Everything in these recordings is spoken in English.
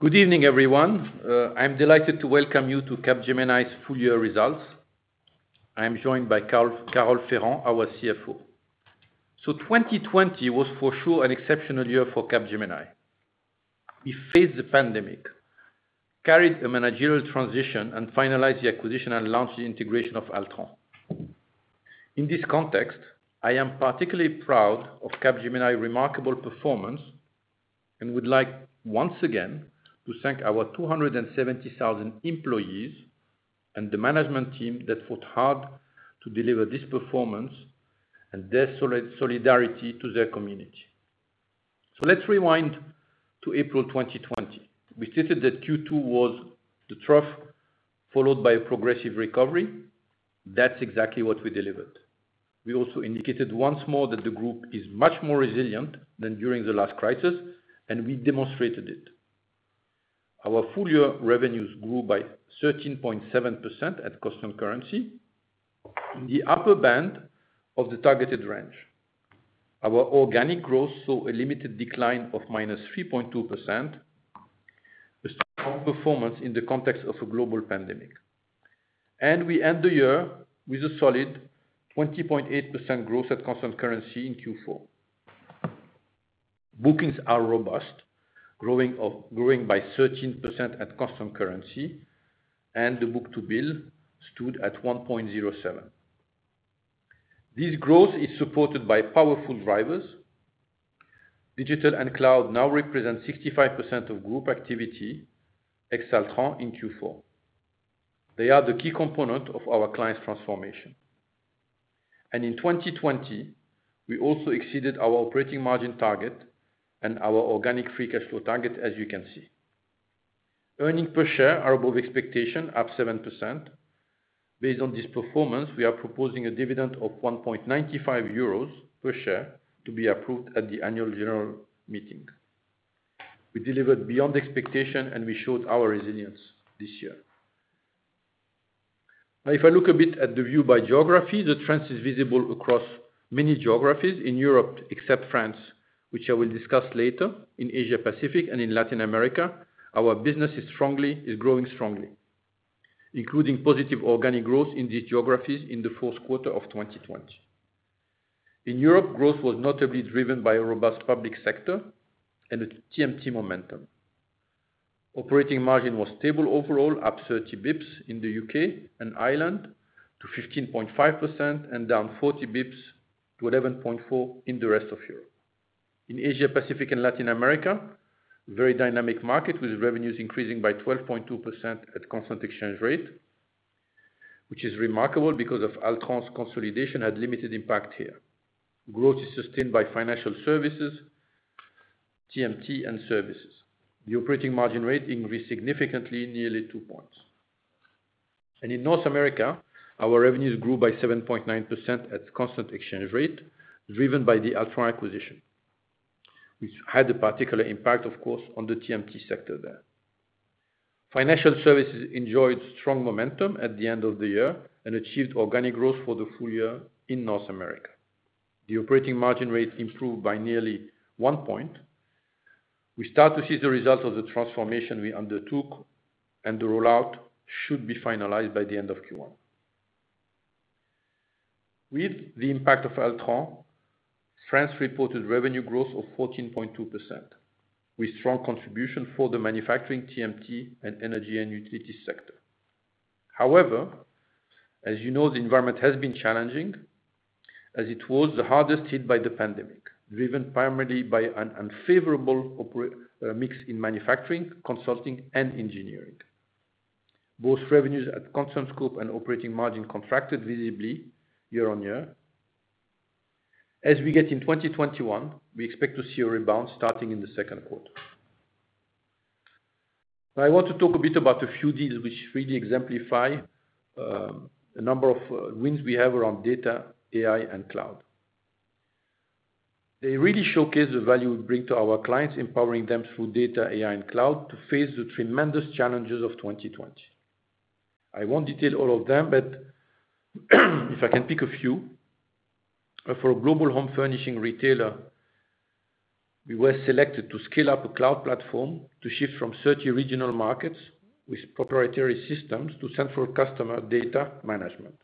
Good evening, everyone. I'm delighted to welcome you to Capgemini's Full Year Results. I'm joined by Carole Ferrand, our CFO. 2020 was for sure an exceptional year for Capgemini. We faced the pandemic, carried a managerial transition, and finalized the acquisition and launched the integration of Altran. In this context, I am particularly proud of Capgemini's remarkable performance, and would like, once again, to thank our 270,000 employees, and the management team that fought hard to deliver this performance, and their solidarity to their community. Let's rewind to April 2020. We stated that Q2 was the trough, followed by a progressive recovery. That's exactly what we delivered. We also indicated once more that the group is much more resilient than during the last crisis, and we demonstrated it. Our full year revenues grew by 13.7% at constant currency. In the upper band of the targeted range, our organic growth saw a limited decline of -3.2%, a strong performance in the context of a global pandemic. We end the year with a solid 20.8% growth at constant currency in Q4. Bookings are robust, growing by 13% at constant currency, and the book-to-bill stood at 1.07. This growth is supported by powerful drivers. Digital and cloud now represent 65% of group activity, except Altran in Q4. They are the key component of our client transformation. In 2020, we also exceeded our operating margin target and our organic free cash flow target, as you can see. Earnings per share are above expectation, up 7%. Based on this performance, we are proposing a dividend of 1.95 euros per share to be approved at the annual general meeting. We delivered beyond expectation, and we showed our resilience this year. Now, if I look a bit at the view by geography, the trend is visible across many geographies in Europe, except France, which I will discuss later. In Asia-Pacific and in Latin America, our business is growing strongly, including positive organic growth in these geographies in the fourth quarter of 2020. In Europe, growth was notably driven by a robust public sector and a TMT momentum. Operating margin was stable overall, up 30 basis points in the U.K. and Ireland to 15.5%, and down 40 basis points to 11.4% in the rest of Europe. In Asia-Pacific and Latin America, very dynamic market with revenues increasing by 12.2% at constant exchange rate, which is remarkable because of Altran's consolidation had limited impact here. Growth is sustained by financial services, TMT, and services. The operating margin rate increased significantly, nearly 2 points. In North America, our revenues grew by 7.9% at constant exchange rate, driven by the Altran acquisition, which had a particular impact, of course, on the TMT sector there. Financial services enjoyed strong momentum at the end of the year and achieved organic growth for the full year in North America. The operating margin rate improved by nearly one point. We start to see the results of the transformation we undertook, and the rollout should be finalized by the end of Q1. With the impact of Altran, France reported revenue growth of 14.2%, with strong contribution for the manufacturing TMT and energy and utility sector. As you know, the environment has been challenging, as it was the hardest hit by the pandemic, driven primarily by an unfavorable mix in manufacturing, consulting, and engineering. Both revenues at constant scope and operating margin contracted visibly year-on-year. As we get in 2021, we expect to see a rebound starting in the second quarter. I want to talk a bit about a few deals which really exemplify a number of wins we have around data, AI, and cloud. They really showcase the value we bring to our clients, empowering them through data, AI, and cloud to face the tremendous challenges of 2020. I won't detail all of them, if I can pick a few. For a global home furnishing retailer, we were selected to scale up a cloud platform to shift from 30 regional markets with proprietary systems to central customer data management.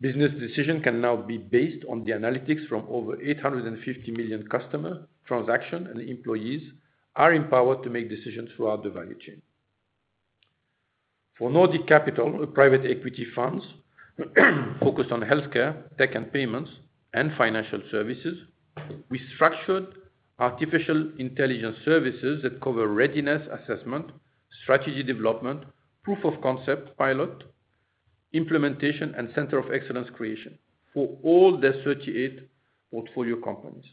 Business decision can now be based on the analytics from over 850 million customer transaction, employees are empowered to make decisions throughout the value chain. For Nordic Capital, a private equity funds focused on healthcare, tech and payments, and financial services, we structured artificial intelligence services that cover readiness assessment, strategy development, proof of concept pilot, implementation, and center of excellence creation for all their 38 portfolio companies.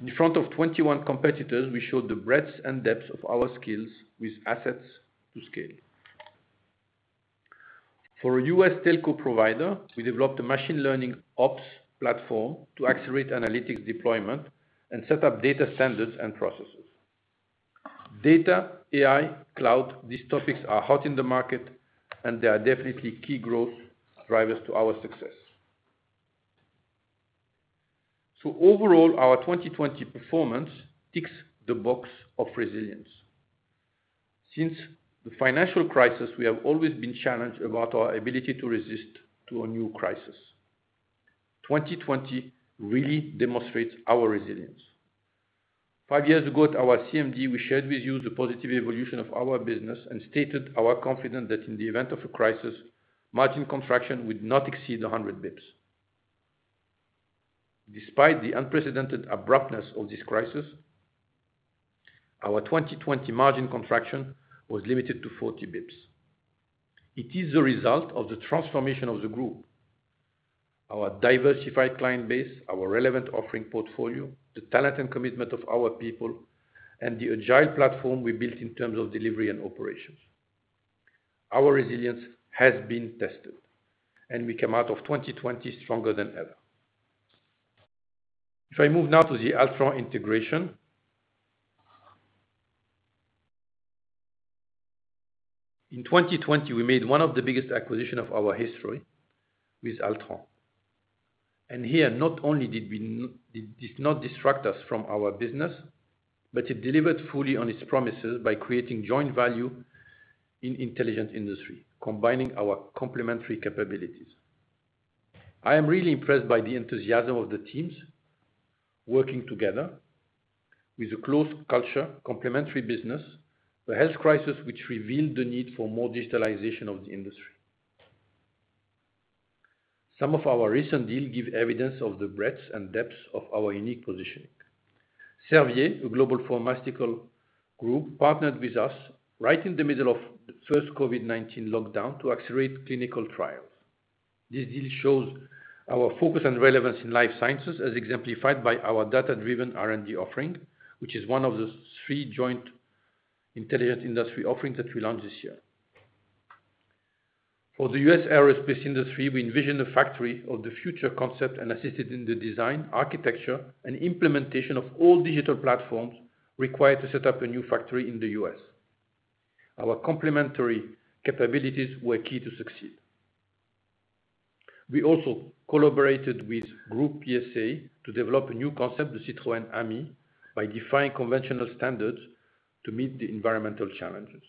In front of 21 competitors, we showed the breadth and depth of our skills with assets to scale. For a U.S. telco provider, we developed a machine learning ops platform to accelerate analytics deployment and set up data standards and processes. Data, AI, cloud, these topics are hot in the market. They are definitely key growth drivers to our success. Overall, our 2020 performance ticks the box of resilience. Since the financial crisis, we have always been challenged about our ability to resist to a new crisis. 2020 really demonstrates our resilience. Five years ago at our CMD, we shared with you the positive evolution of our business and stated our confidence that in the event of a crisis, margin contraction would not exceed 100 basis points. Despite the unprecedented abruptness of this crisis, our 2020 margin contraction was limited to 40 basis points. It is the result of the transformation of the group, our diversified client base, our relevant offering portfolio, the talent and commitment of our people, and the Agile platform we built in terms of delivery and operations. Our resilience has been tested, and we come out of 2020 stronger than ever. If I move now to the Altran integration. In 2020, we made one of the biggest acquisitions of our history with Altran. Here, not only did this not distract us from our business, but it delivered fully on its promises by creating joint value in Intelligent Industry, combining our complementary capabilities. I am really impressed by the enthusiasm of the teams working together with a close culture, complementary business, a health crisis which revealed the need for more digitalization of the industry. Some of our recent deals give evidence of the breadth and depth of our unique positioning. Servier, a global pharmaceutical group, partnered with us right in the middle of the first COVID-19 lockdown to accelerate clinical trials. This deal shows our focus and relevance in life sciences as exemplified by our data-driven R&D offering, which is one of the three joint Intelligent Industry offerings that we launched this year. For the U.S. aerospace industry, we envision a factory of the future concept and assisted in the design, architecture, and implementation of all digital platforms required to set up a new factory in the U.S. Our complementary capabilities were key to succeed. We also collaborated with Groupe PSA to develop a new concept of Citroën Ami by defying conventional standards to meet the environmental challenges.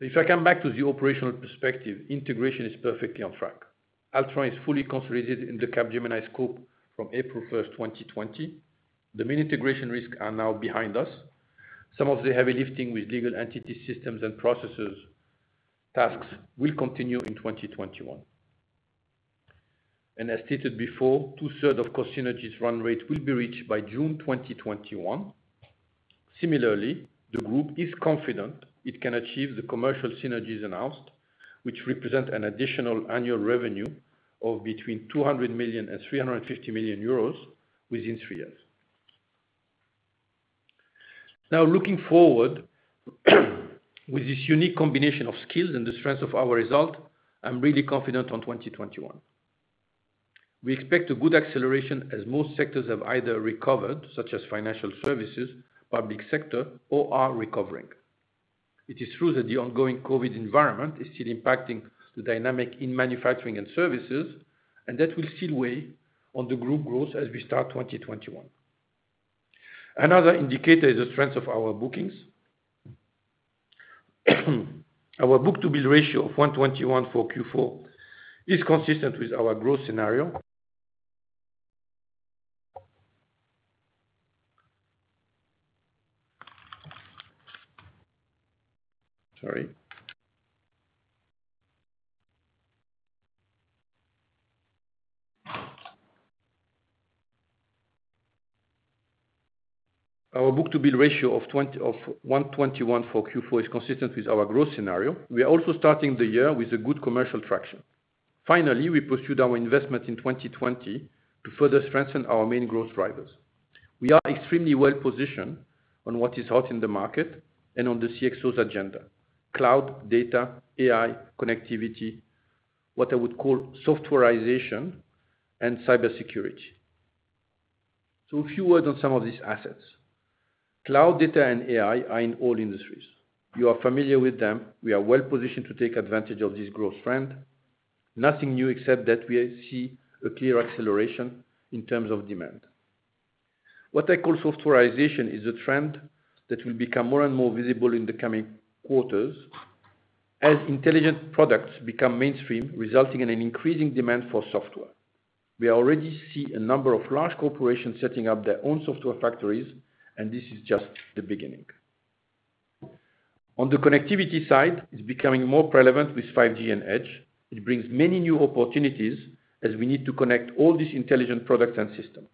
If I come back to the operational perspective, integration is perfectly on track. Altran is fully consolidated in the Capgemini scope from April 1st, 2020. The main integration risks are now behind us. Some of the heavy lifting with legal entity systems and processes tasks will continue in 2021. As stated before, 2/3 of cost synergies run rate will be reached by June 2021. Similarly, the group is confident it can achieve the commercial synergies announced, which represent an additional annual revenue of between 200 million and 350 million euros within three years. Looking forward with this unique combination of skills and the strength of our result, I'm really confident on 2021. We expect a good acceleration as most sectors have either recovered, such as financial services, public sector, or are recovering. It is true that the ongoing COVID-19 environment is still impacting the dynamic in manufacturing and services, and that will still weigh on the group growth as we start 2021. Another indicator is the strength of our bookings. Our book-to-bill ratio of 1.21 for Q4 is consistent with our growth scenario. Sorry. Our book-to-bill ratio of 1.21 for Q4 is consistent with our growth scenario. We are also starting the year with a good commercial traction. Finally, we pursued our investment in 2020 to further strengthen our main growth drivers. We are extremely well-positioned on what is hot in the market and on the CXOs agenda: cloud, data, AI, connectivity, what I would call softwarization, and cybersecurity. A few words on some of these assets. Cloud data and AI are in all industries. You are familiar with them. We are well positioned to take advantage of this growth trend. Nothing new except that we see a clear acceleration in terms of demand. What I call softwarization is a trend that will become more and more visible in the coming quarters as intelligent products become mainstream, resulting in an increasing demand for software. We already see a number of large corporations setting up their own software factories, this is just the beginning. On the connectivity side, it's becoming more relevant with 5G and Edge. It brings many new opportunities as we need to connect all these intelligent products and systems.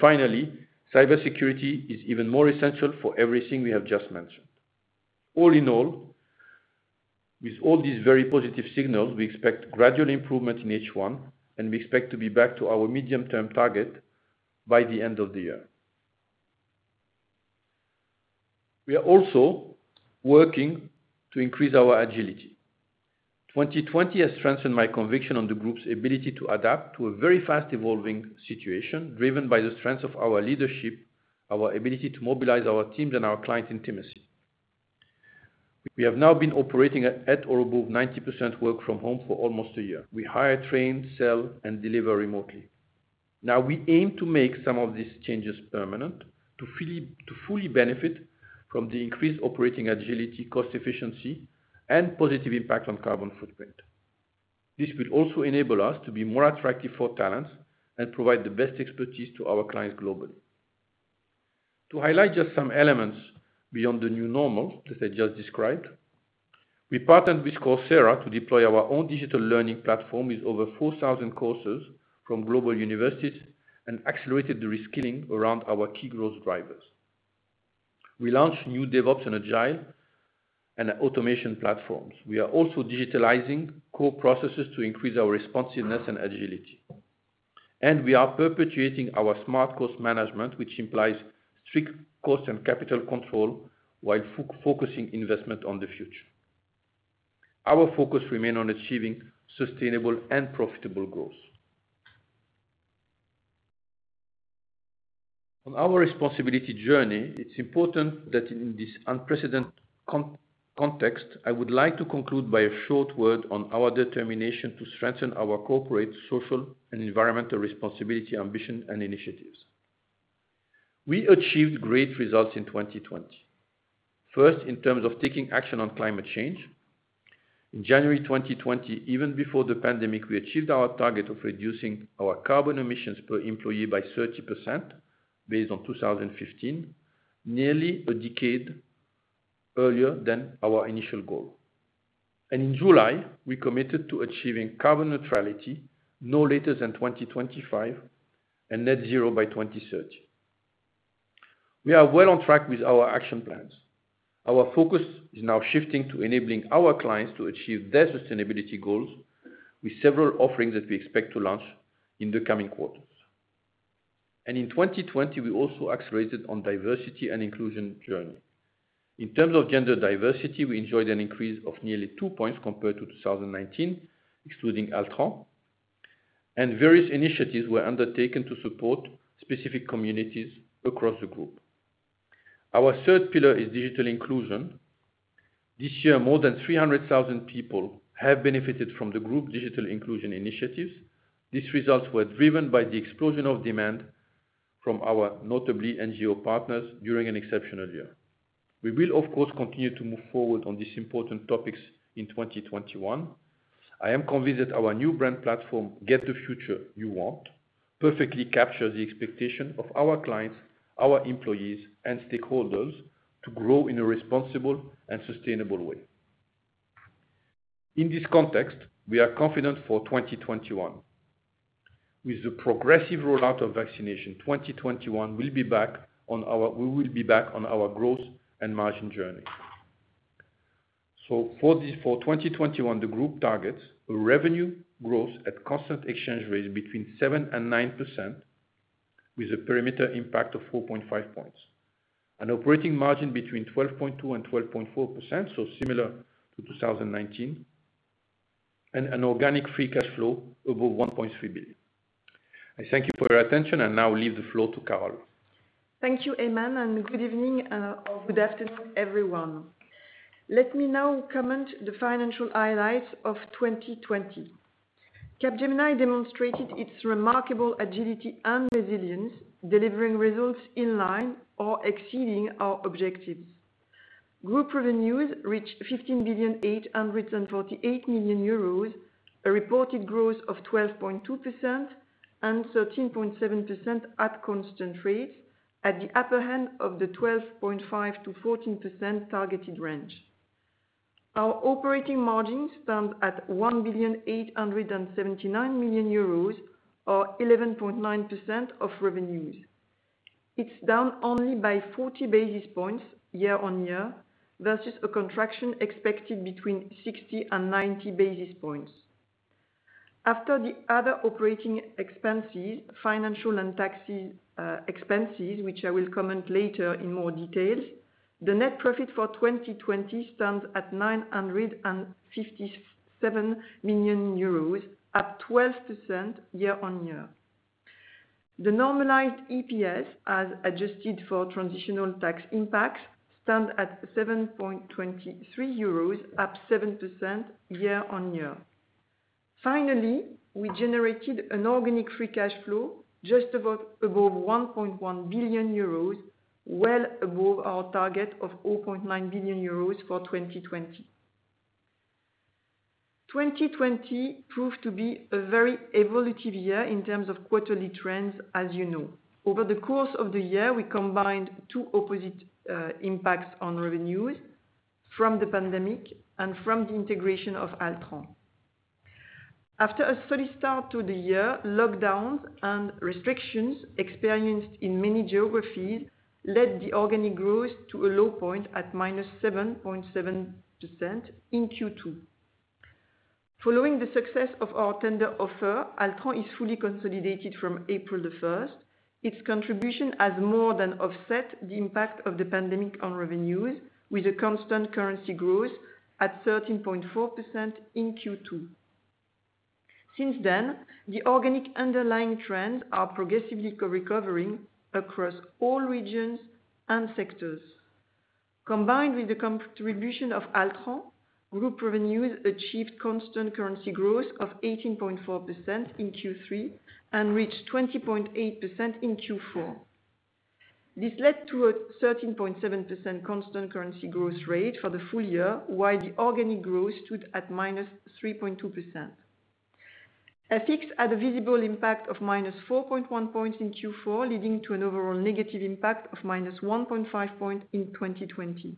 Finally, cybersecurity is even more essential for everything we have just mentioned. All in all, with all these very positive signals, we expect gradual improvement in H1, and we expect to be back to our medium-term target by the end of the year. We are also working to increase our agility. 2020 has strengthened my conviction on the group's ability to adapt to a very fast evolving situation, driven by the strength of our leadership, our ability to mobilize our teams, and our client intimacy. We have now been operating at or above 90% work from home for almost a year. We hire, train, sell, and deliver remotely. We aim to make some of these changes permanent to fully benefit from the increased operating agility, cost efficiency, and positive impact on carbon footprint. This will also enable us to be more attractive for talents and provide the best expertise to our clients globally. To highlight just some elements beyond the new normal, as I just described, we partnered with Coursera to deploy our own digital learning platform with over 4,000 courses from global universities and accelerated the reskilling around our key growth drivers. We launched new DevOps and Agile and automation platforms. We are also digitalizing core processes to increase our responsiveness and agility. We are perpetuating our smart cost management, which implies strict cost and capital control while focusing investment on the future. Our focus remain on achieving sustainable and profitable growth. On our responsibility journey, it's important that in this unprecedented context, I would like to conclude by a short word on our determination to strengthen our corporate, social, and environmental responsibility, ambition, and initiatives. We achieved great results in 2020. First, in terms of taking action on climate change. In January 2020, even before the pandemic, we achieved our target of reducing our carbon emissions per employee by 30% based on 2015, nearly a decade earlier than our initial goal. In July, we committed to achieving carbon neutrality no later than 2025 and net zero by 2030. We are well on track with our action plans. Our focus is now shifting to enabling our clients to achieve their sustainability goals with several offerings that we expect to launch in the coming quarters. In 2020, we also accelerated on diversity and inclusion journey. In terms of gender diversity, we enjoyed an increase of nearly two points compared to 2019, excluding Altran, and various initiatives were undertaken to support specific communities across the group. Our third pillar is digital inclusion. This year, more than 300,000 people have benefited from the group digital inclusion initiatives. These results were driven by the explosion of demand from our notably NGO partners during an exceptional year. We will, of course, continue to move forward on these important topics in 2021. I am convinced that our new brand platform, Get the Future You Want, perfectly captures the expectation of our clients, our employees, and stakeholders to grow in a responsible and sustainable way. In this context, we are confident for 2021. With the progressive rollout of vaccination, 2021 we will be back on our growth and margin journey. For 2021, the group targets a revenue growth at constant exchange rates between 7%-9% with a perimeter impact of 4.5 points. An operating margin between 12.2%-12.4%, so similar to 2019, and an organic free cash flow above 1.3 billion. I thank you for your attention and now leave the floor to Carole. Thank you, Aiman, good evening or good afternoon, everyone. Let me now comment the financial highlights of 2020. Capgemini demonstrated its remarkable agility and resilience, delivering results in line or exceeding our objectives. Group revenues reached 15,848,000,000 euros, a reported growth of 12.2% and 13.7% at constant rates at the upper hand of the 12.5%-14% targeted range. Our operating margin stands at 1,879,000,000 euros, or 11.9% of revenues. It's down only by 40 basis points year-on-year, versus a contraction expected between 60 and 90 basis points. After the other operating expenses, financial and tax expenses, which I will comment later in more details, the net profit for 2020 stands at 957 million euros, up 12% year-on-year. The normalized EPS, as adjusted for transitional tax impacts, stands at 7.23 euros, up 7% year-on-year. Finally, we generated an organic free cash flow just above 1.1 billion euros, well above our target of 0.9 billion euros for 2020. 2020 proved to be a very evolutive year in terms of quarterly trends, as you know. Over the course of the year, we combined two opposite impacts on revenues from the pandemic and from the integration of Altran. After a steady start to the year, lockdowns and restrictions experienced in many geographies led the organic growth to a low point at -7.7% in Q2. Following the success of our tender offer, Altran is fully consolidated from April 1st. Its contribution has more than offset the impact of the pandemic on revenues with a constant currency growth at 13.4% in Q2. Since then, the organic underlying trends are progressively recovering across all regions and sectors. Combined with the contribution of Altran, group revenues achieved constant currency growth of 18.4% in Q3 and reached 20.8% in Q4. This led to a 13.7% constant currency growth rate for the full year, while the organic growth stood at -3.2%. FX had a visible impact of -4.1 points in Q4, leading to an overall negative impact of -1.5 points in 2020.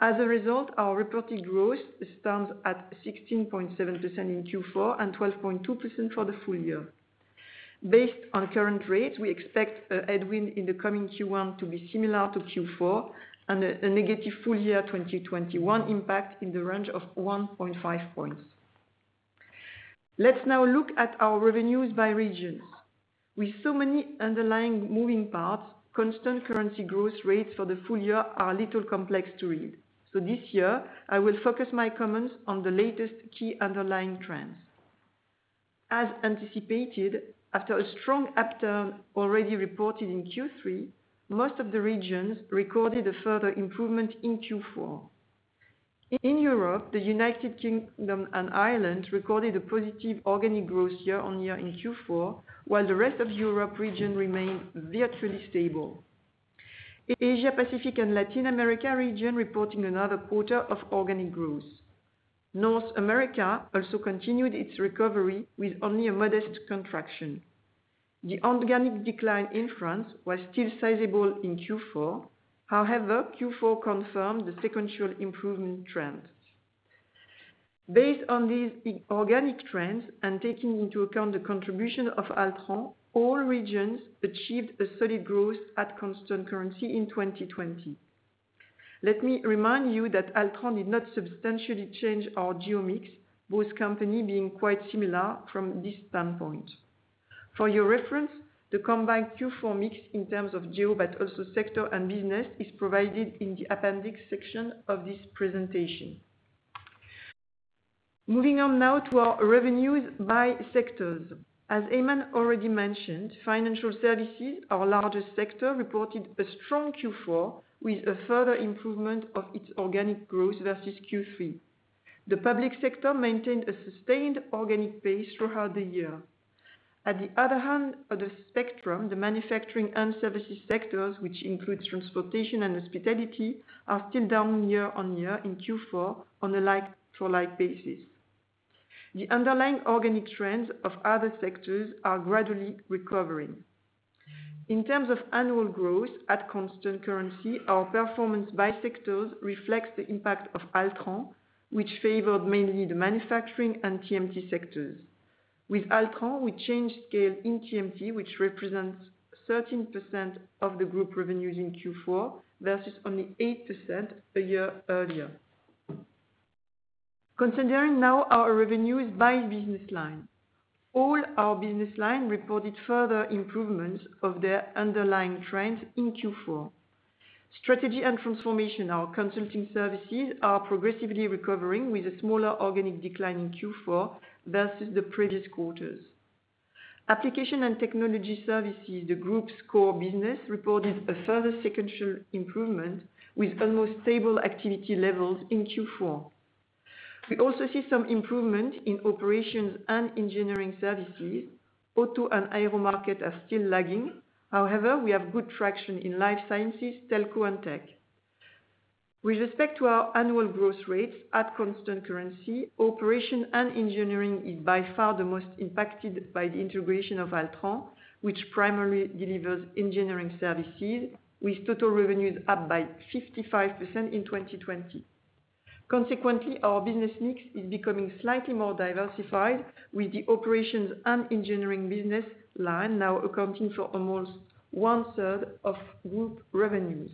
As a result, our reported growth stands at 16.7% in Q4 and 12.2% for the full year. Based on current rates, we expect a headwind in the coming Q1 to be similar to Q4 and a negative full-year 2021 impact in the range of 1.5 points. Let's now look at our revenues by regions. With so many underlying moving parts, constant currency growth rates for the full year are a little complex to read. This year, I will focus my comments on the latest key underlying trends. As anticipated, after a strong upturn already reported in Q3, most of the regions recorded a further improvement in Q4. In Europe, the United Kingdom and Ireland recorded a positive organic growth year-on-year in Q4, while the rest of Europe region remained virtually stable. Asia Pacific and Latin America region reporting another quarter of organic growth. North America also continued its recovery with only a modest contraction. The organic decline in France was still sizable in Q4. However, Q4 confirmed the sequential improvement trends. Based on these organic trends and taking into account the contribution of Altran, all regions achieved a solid growth at constant currency in 2020. Let me remind you that Altran did not substantially change our geo mix, both company being quite similar from this standpoint. For your reference, the combined Q4 mix in terms of geo, but also sector and business, is provided in the appendix section of this presentation. Moving on now to our revenues by sectors. As Aiman already mentioned, financial services, our largest sector, reported a strong Q4 with a further improvement of its organic growth versus Q3. The public sector maintained a sustained organic pace throughout the year. At the other hand of the spectrum, the manufacturing and services sectors, which includes transportation and hospitality, are still down year-on-year in Q4 on a like-for-like basis. The underlying organic trends of other sectors are gradually recovering. In terms of annual growth at constant currency, our performance by sectors reflects the impact of Altran, which favored mainly the manufacturing and TMT sectors. With Altran, we changed scale in TMT, which represents 13% of the group revenues in Q4 versus only 8% a year earlier. Considering now our revenues by business line. All our business line reported further improvements of their underlying trends in Q4. Strategy and transformation, our consulting services are progressively recovering with a smaller organic decline in Q4 versus the previous quarters. Application and technology services, the group's core business, reported a further sequential improvement with almost stable activity levels in Q4. We also see some improvement in operations and engineering services. Auto and aero market are still lagging. However, we have good traction in life sciences, telco, and tech. With respect to our annual growth rates at constant currency, operation and engineering is by far the most impacted by the integration of Altran, which primarily delivers engineering services with total revenues up by 55% in 2020. Consequently, our business mix is becoming slightly more diversified with the operations and engineering business line now accounting for almost 1/3 of group revenues.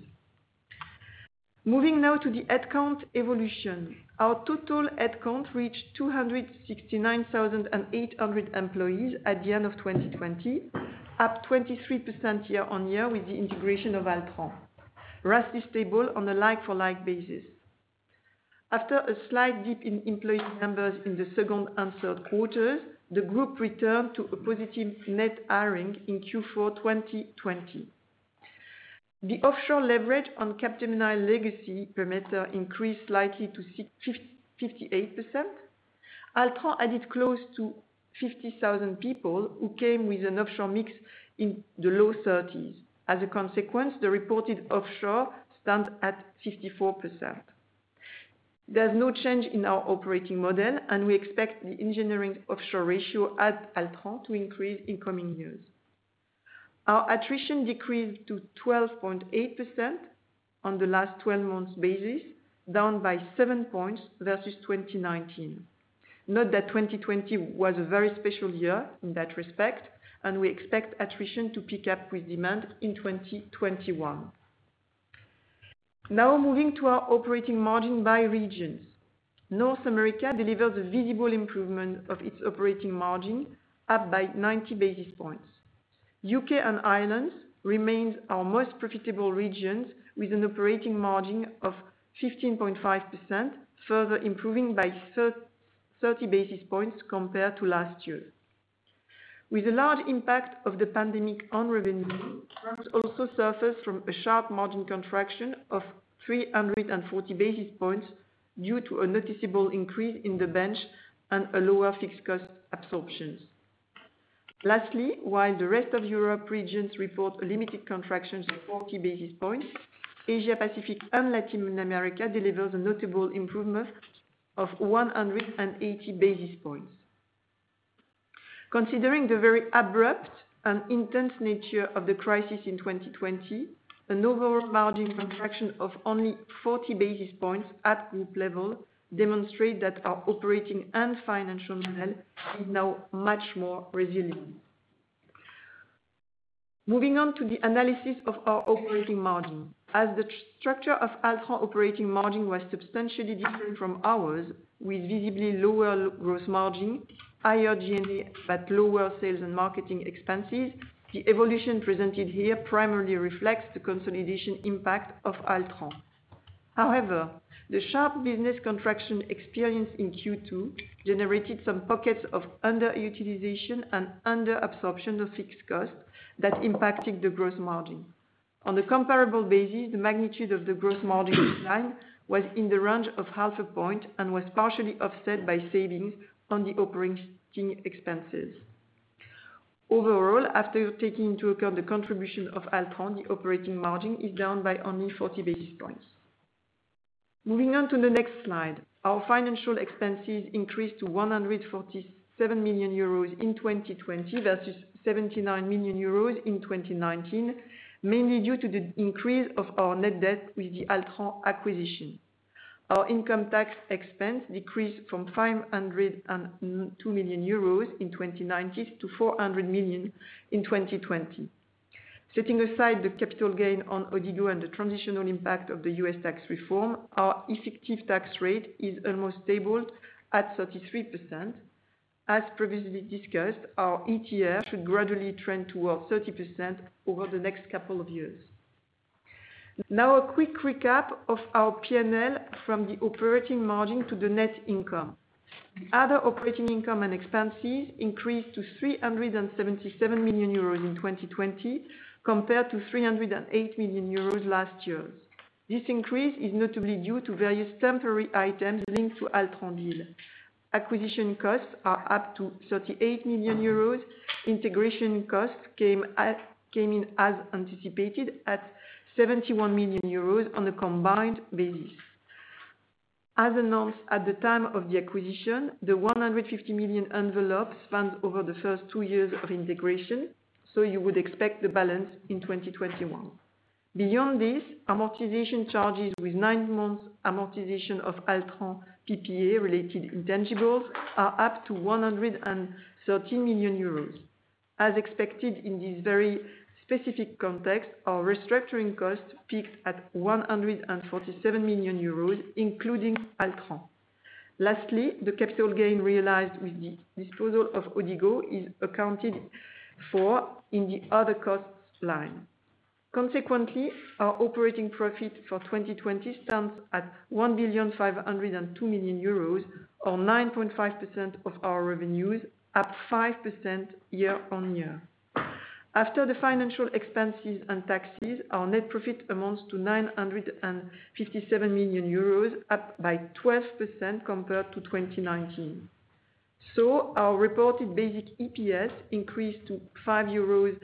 Moving now to the headcount evolution. Our total headcount reached 269,800 employees at the end of 2020, up 23% year-on-year with the integration of Altran. Rest is stable on a like-for-like basis. After a slight dip in employee numbers in the second and third quarters, the group returned to a positive net hiring in Q4 2020. The offshore leverage on Capgemini legacy perimeter increased slightly to 58%. Altran added close to 50,000 people who came with an offshore mix in the low 30s. As a consequence, the reported offshore stands at 54%. There's no change in our operating model. We expect the engineering offshore ratio at Altran to increase in coming years. Our attrition decreased to 12.8% on the last 12 months basis, down by seven points versus 2019. Note that 2020 was a very special year in that respect. We expect attrition to pick up with demand in 2021. Moving to our operating margin by regions. North America delivers a visible improvement of its operating margin, up by 90 basis points. U.K. and Ireland remains our most profitable regions with an operating margin of 15.5%, further improving by 30 basis points compared to last year. With a large impact of the pandemic on revenue, France also suffers from a sharp margin contraction of 340 basis points due to a noticeable increase in the bench and a lower fixed cost absorption. While the rest of Europe regions report a limited contraction of 40 basis points, Asia Pacific and Latin America delivers a notable improvement of 180 basis points. Considering the very abrupt and intense nature of the crisis in 2020, an overall margin contraction of only 40 basis points at group level demonstrate that our operating and financial model is now much more resilient. Moving on to the analysis of our operating margin. As the structure of Altran operating margin was substantially different from ours, with visibly lower gross margin, higher G&A, but lower sales and marketing expenses, the evolution presented here primarily reflects the consolidation impact of Altran. However, the sharp business contraction experienced in Q2 generated some pockets of underutilization and under-absorption of fixed costs that impacted the gross margin. On a comparable basis, the magnitude of the gross margin decline was in the range of half a point and was partially offset by savings on the operating expenses. Overall, after taking into account the contribution of Altran, the operating margin is down by only 40 basis points. Moving on to the next slide. Our financial expenses increased to 147 million euros in 2020 versus 79 million euros in 2019, mainly due to the increase of our net debt with the Altran acquisition. Our income tax expense decreased from 502 million euros in 2019 to 400 million in 2020. Setting aside the capital gain on Odigo and the transitional impact of the U.S. tax reform, our effective tax rate is almost stable at 33%. As previously discussed, our ETR should gradually trend towards 30% over the next couple of years. A quick recap of our P&L from the operating margin to the net income. The other operating income and expenses increased to 377 million euros in 2020 compared to 308 million euros last year. This increase is notably due to various temporary items linked to Altran deal. Acquisition costs are up to 38 million euros. Integration costs came in as anticipated at 71 million euros on a combined basis. As announced at the time of the acquisition, the 150 million envelope spans over the first two years of integration, so you would expect the balance in 2021. Beyond this, amortization charges with nine months amortization of Altran PPA related intangibles are up to 113 million euros. As expected in this very specific context, our restructuring costs peaked at 147 million euros, including Altran. The capital gain realized with the disposal of Odigo is accounted for in the other costs line. Our operating profit for 2020 stands at 1,502 million euros or 9.5% of our revenues, up 5% year-over-year. After the financial expenses and taxes, our net profit amounts to 957 million euros, up by 12% compared to 2019. Our reported basic EPS increased to 5.71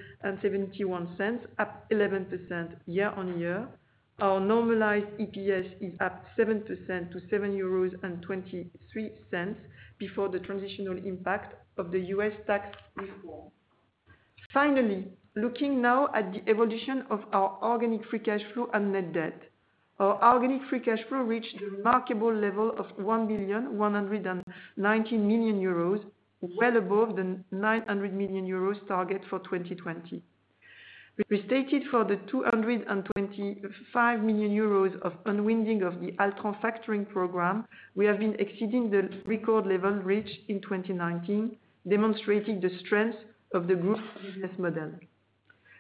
euros, up 11% year-on-year. Our normalized EPS is up 7% to 7.23 euros before the transitional impact of the U.S. tax reform. Looking now at the evolution of our organic free cash flow and net debt. Our organic free cash flow reached the remarkable level of 1,119,000,000 euros, well above the 900 million euros target for 2020. When restated for the 225 million euros of unwinding of the Altran factoring program, we have been exceeding the record level reached in 2019, demonstrating the strength of the group's business model.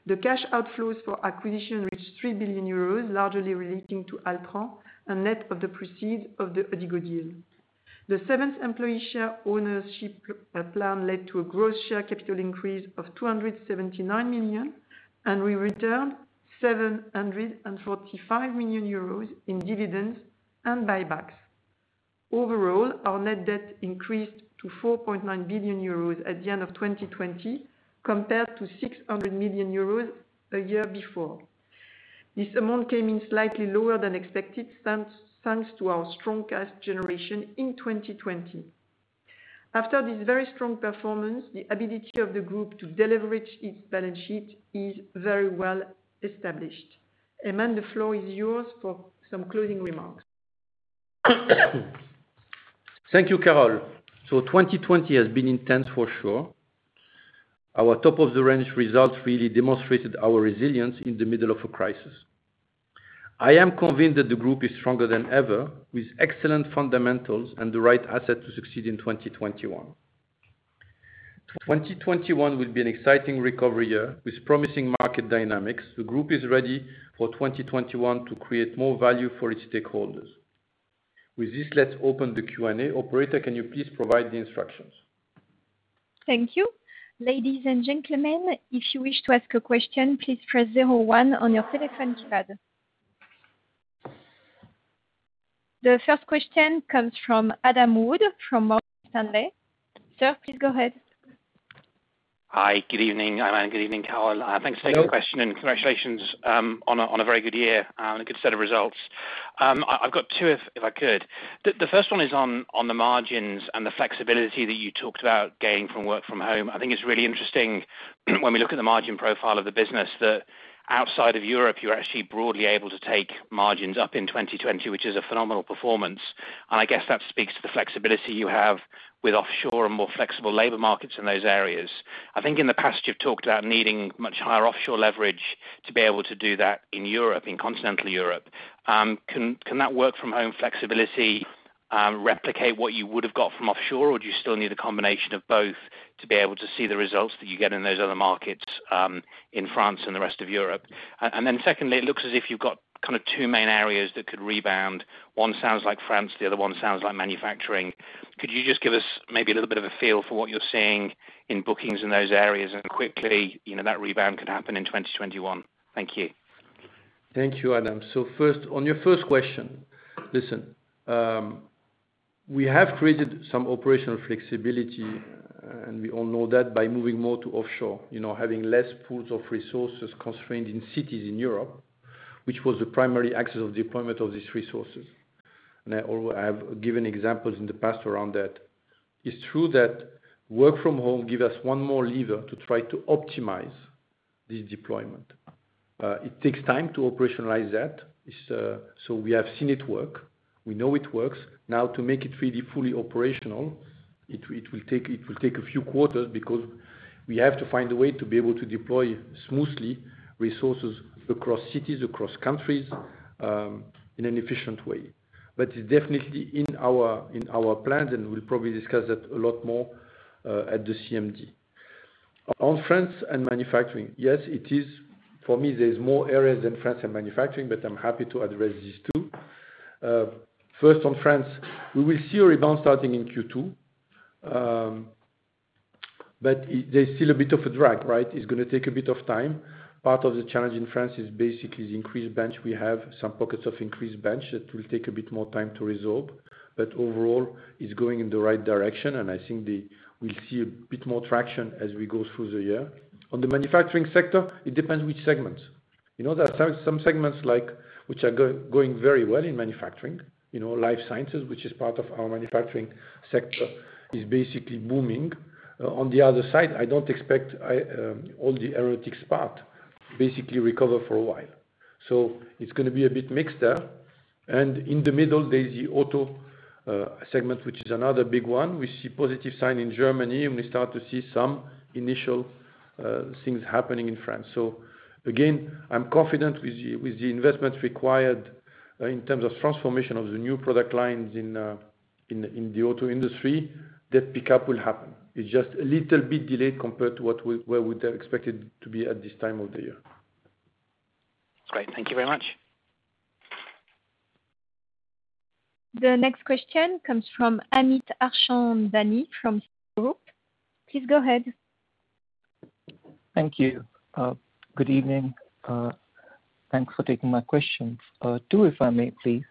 The cash outflows for acquisition reached 3 billion euros, largely relating to Altran and net of the proceeds of the Odigo deal. The 7th employee share ownership plan led to a gross share capital increase of 279 million, and we returned 745 million euros in dividends and buybacks. Overall, our net debt increased to 4.9 billion euros at the end of 2020, compared to 600 million euros a year before. This amount came in slightly lower than expected, thanks to our strong cash generation in 2020. After this very strong performance, the ability of the group to deleverage its balance sheet is very well established. Aiman, the floor is yours for some closing remarks. Thank you, Carole. 2020 has been intense for sure. Our top-of-the-range results really demonstrated our resilience in the middle of a crisis. I am convinced that the group is stronger than ever with excellent fundamentals and the right assets to succeed in 2021. 2021 will be an exciting recovery year with promising market dynamics. The group is ready for 2021 to create more value for its stakeholders. With this, let's open the Q&A. Operator, can you please provide the instructions? Thank you. Ladies and gentlemen, if you wish to ask a question, please press zero, one on your telephone keypad. The first question comes from Adam Wood from Morgan Stanley. Sir, please go ahead. Hi, good evening, Aiman. Good evening, Carole. Hello. Thanks for taking the question, and congratulations on a very good year and a good set of results. I've got two if I could. The first one is on the margins and the flexibility that you talked about gaining from work from home. I think it's really interesting when we look at the margin profile of the business, that outside of Europe, you're actually broadly able to take margins up in 2020, which is a phenomenal performance. I guess that speaks to the flexibility you have with offshore and more flexible labor markets in those areas. I think in the past you've talked about needing much higher offshore leverage to be able to do that in Europe, in continental Europe. Can that work from home flexibility replicate what you would have got from offshore, or do you still need a combination of both to be able to see the results that you get in those other markets, in France and the rest of Europe? Secondly, it looks as if you've got two main areas that could rebound. One sounds like France, the other one sounds like manufacturing. Could you just give us maybe a little bit of a feel for what you're seeing in bookings in those areas? Quickly, that rebound could happen in 2021. Thank you. Thank you, Adam. On your first question, listen. We have created some operational flexibility, and we all know that by moving more to offshore. Having less pools of resources constrained in cities in Europe, which was the primary axis of deployment of these resources. I have given examples in the past around that. It's true that work from home give us one more lever to try to optimize this deployment. It takes time to operationalize that. We have seen it work. We know it works. Now to make it really fully operational, it will take a few quarters because we have to find a way to be able to deploy smoothly resources across cities, across countries, in an efficient way. It's definitely in our plans, and we'll probably discuss that a lot more, at the CMD. On France and manufacturing, yes, it is. For me, there's more areas than France and manufacturing, but I'm happy to address these two. First, on France, we will see a rebound starting in Q2. There's still a bit of a drag, right? It's going to take a bit of time. Part of the challenge in France is basically the increased bench we have, some pockets of increased bench that will take a bit more time to resolve. Overall, it's going in the right direction, and I think we'll see a bit more traction as we go through the year. On the manufacturing sector, it depends which segments. There are some segments which are going very well in manufacturing. Life sciences, which is part of our manufacturing sector, is basically booming. On the other side, I don't expect all the aeronautics part basically recover for a while. It's going to be a bit mixed there. In the middle, there's the auto segment, which is another big one. We see positive sign in Germany, and we start to see some initial things happening in France. Again, I'm confident with the investments required in terms of transformation of the new product lines in the auto industry, that pickup will happen. It's just a little bit delayed compared to where we'd have expected to be at this time of the year. Great. Thank you very much. The next question comes from Amit Harchandani from Citigroup. Please go ahead. Thank you. Good evening. Thanks for taking my questions. Two, if I may, please.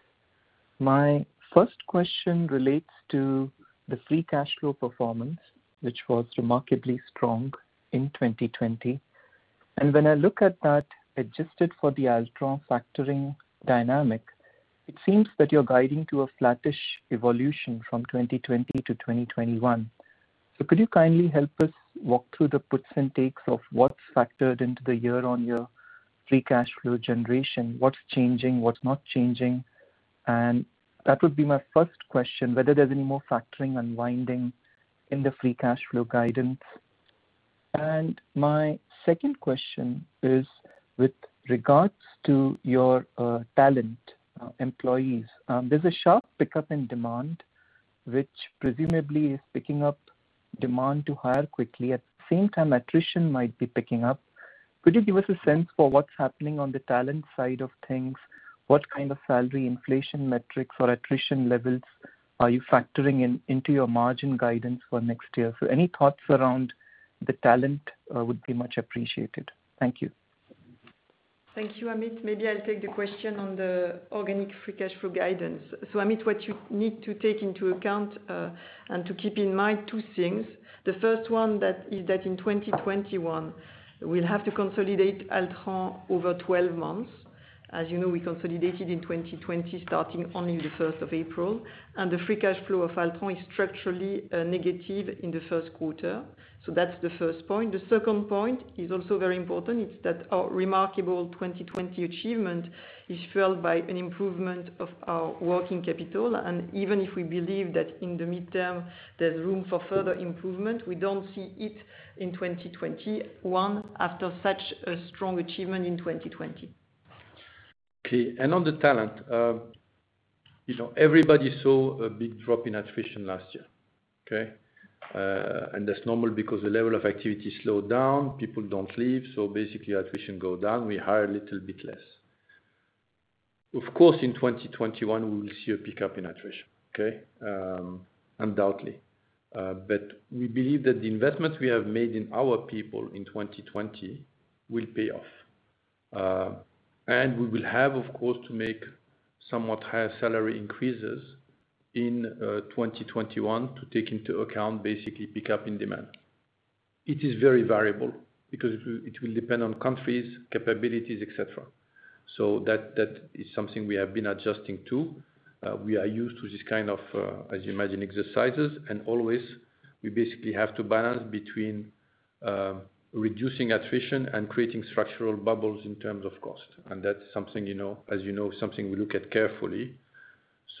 My first question relates to the free cash flow performance, which was remarkably strong in 2020. And when I look at that, adjusted for the Altran factoring dynamic, it seems that you're guiding to a flattish evolution from 2020 to 2021. So could you kindly help us walk through the puts and takes of what's factored into the year-on-year free cash flow generation? What's changing, what's not changing? And that would be my first question, whether there's any more factoring unwinding in the free cash flow guidance. And my second question is with regards to your talent, employees. There's a sharp pickup in demand, which presumably is picking up demand to hire quickly. At the same time, attrition might be picking up. Could you give us a sense for what's happening on the talent side of things? What kind of salary inflation metrics or attrition levels are you factoring into your margin guidance for next year? Any thoughts around the talent would be much appreciated. Thank you. Thank you, Amit. Maybe I'll take the question on the organic free cash flow guidance. Amit, what you need to take into account, and to keep in mind two things. The first one that is that in 2021, we'll have to consolidate Altran over 12 months. As you know, we consolidated in 2020 starting only the April 1st. The free cash flow of Altran is structurally negative in the first quarter. That's the first point. The second point is also very important, it's that our remarkable 2020 achievement is fueled by an improvement of our working capital. Even if we believe that in the midterm there's room for further improvement, we don't see it in 2021 after such a strong achievement in 2020. Okay. On the talent, everybody saw a big drop in attrition last year. Okay. That's normal because the level of activity has slowed down. People don't leave, so basically, attrition goes down. We hire a little bit less. Of course, in 2021, we will see a pickup in attrition. Okay. Undoubtedly. We believe that the investment we have made in our people in 2020 will pay off. We will have, of course, to make somewhat higher salary increases in 2021 to take into account, basically, pickup in demand. It is very variable because it will depend on countries, capabilities, et cetera. That is something we have been adjusting to. We are used to this kind of, as you imagine, exercises, and always, we basically have to balance between reducing attrition and creating structural bubbles in terms of cost. That's, as you know, something we look at carefully.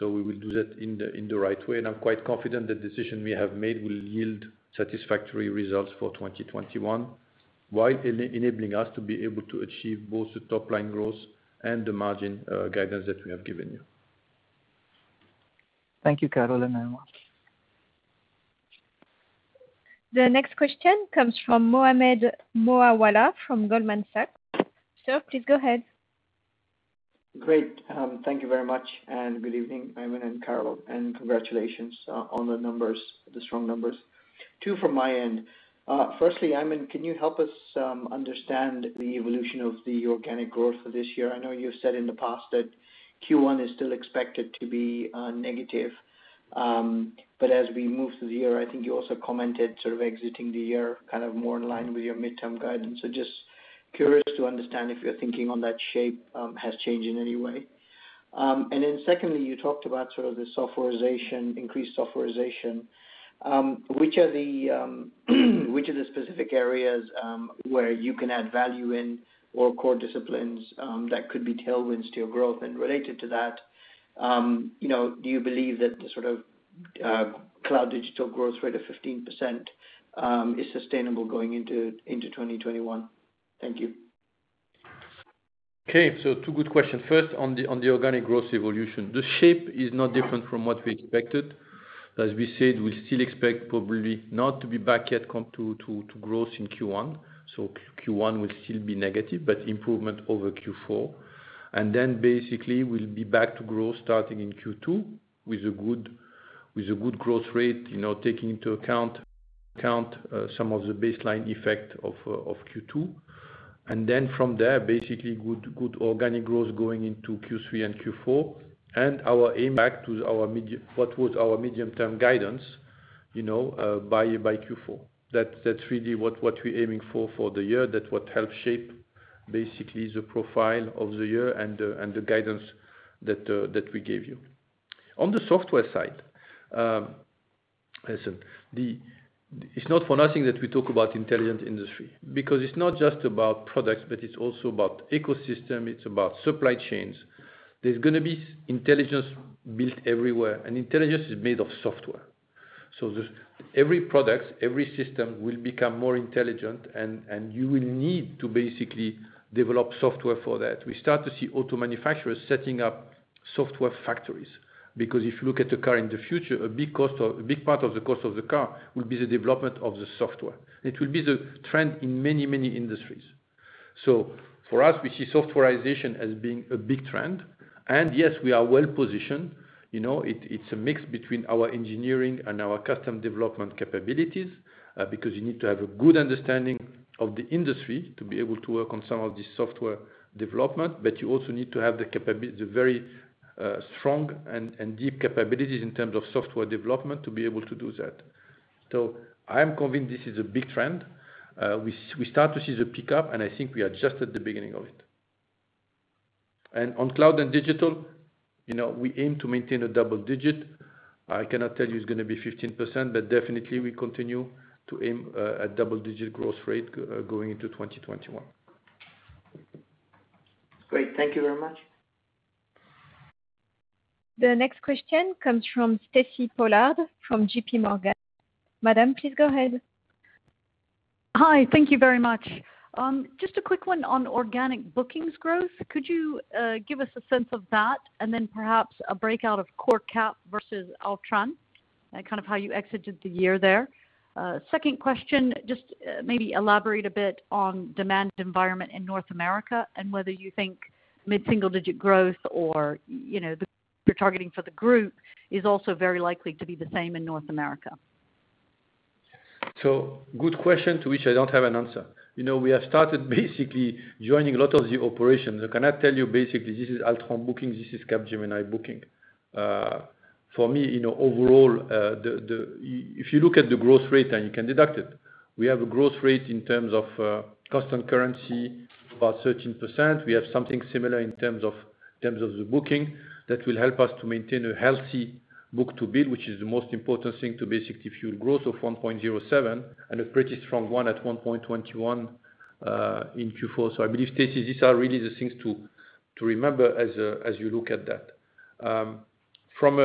We will do that in the right way, and I'm quite confident the decision we have made will yield satisfactory results for 2021, while enabling us to be able to achieve both the top-line growth and the margin guidance that we have given you. Thank you, Carole and Aiman. The next question comes from Mohammed Moawalla from Goldman Sachs. Sir, please go ahead. Great. Thank you very much, and good evening, Aiman and Carole, and congratulations on the strong numbers. Two from my end. Firstly, Aiman, can you help us understand the evolution of the organic growth for this year? I know you've said in the past that Q1 is still expected to be negative. As we move through the year, I think you also commented sort of exiting the year, kind of more in line with your midterm guidance. Just curious to understand if your thinking on that shape has changed in any way. Secondly, you talked about sort of the increased softwarization. Which are the specific areas where you can add value in, or core disciplines that could be tailwinds to your growth? Related to that, do you believe that the sort of cloud digital growth rate of 15% is sustainable going into 2021? Thank you. Okay, two good questions. First, on the organic growth evolution. The shape is not different from what we expected. As we said, we still expect probably not to be back yet come to growth in Q1. Q1 will still be negative, but improvement over Q4. Basically, we'll be back to growth starting in Q2 with a good growth rate, taking into account some of the baseline effect of Q2. From there, basically good organic growth going into Q3 and Q4, and our aim back to what was our medium-term guidance by Q4. That's really what we're aiming for for the year. That's what helps shape basically the profile of the year and the guidance that we gave you. On the software side, listen. It's not for nothing that we talk about Intelligent Industry, because it's not just about products, but it's also about ecosystem, it's about supply chains. There's going to be intelligence built everywhere, and intelligence is made of software. Every product, every system will become more intelligent, and you will need to basically develop software for that. We start to see auto manufacturers setting up software factories. If you look at the car in the future, a big part of the cost of the car will be the development of the software. It will be the trend in many, many industries. For us, we see softwarization as being a big trend. Yes, we are well-positioned. It's a mix between our engineering and our custom development capabilities, because you need to have a good understanding of the industry to be able to work on some of the software development, but you also need to have the very strong and deep capabilities in terms of software development to be able to do that. I am convinced this is a big trend. We start to see the pickup, and I think we are just at the beginning of it. On cloud and digital, we aim to maintain a double digit. I cannot tell you it's going to be 15%, but definitely we continue to aim at double-digit growth rate going into 2021. Great. Thank you very much. The next question comes from Stacy Pollard from JPMorgan. Madam, please go ahead. Hi. Thank you very much. Just a quick one on organic bookings growth. Could you give us a sense of that, and then perhaps a breakout of core Capgemini versus Altran? Kind of how you exited the year there. Second question, just maybe elaborate a bit on demand environment in North America and whether you think mid-single-digit growth or the growth you're targeting for the group is also very likely to be the same in North America. Good question to which I don't have an answer. We have started basically joining a lot of the operations. I cannot tell you basically this is Altran booking, this is Capgemini booking. For me, overall, if you look at the growth rate, then you can deduct it. We have a growth rate in terms of custom currency, about 13%. We have something similar in terms of the booking that will help us to maintain a healthy book-to-bill, which is the most important thing to basically fuel growth of 1.07 and a pretty strong one at 1.21 in Q4. I believe, Stacy, these are really the things to remember as you look at that. From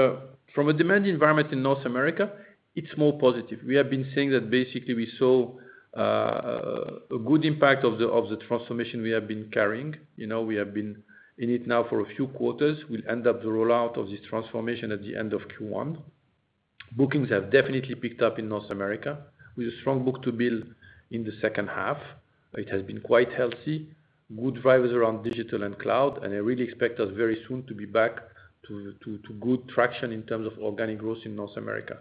a demand environment in North America, it's more positive. We have been saying that basically we saw a good impact of the transformation we have been carrying. We have been in it now for a few quarters. We'll end up the rollout of this transformation at the end of Q1. Bookings have definitely picked up in North America, with a strong book-to-bill in the second half. It has been quite healthy. Good drivers around digital and cloud, and I really expect us very soon to be back to good traction in terms of organic growth in North America.